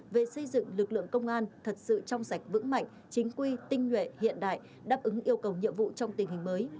về xây dựng lực lượng công an thật sự trong sạch vững mạnh chính quy tinh nhuệ hiện đại đáp ứng yêu cầu nhiệm vụ trong tình hình mới